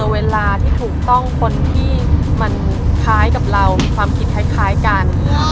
เวลาที่ถูกต้องคนที่มันคล้ายกับเรามีความคิดคล้ายกัน